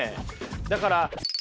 だから。